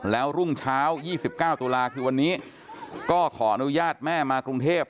แล้วรุ่งเช้า๒๙ตุลาคือวันนี้ก็ขออนุญาตแม่มากรุงเทพ